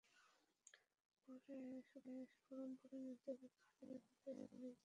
পরে শফিকুল ফরম পূরণে অতিরিক্ত অর্থ আদায়ের কথা স্থানীয় লোকজনের কাছে জানায়।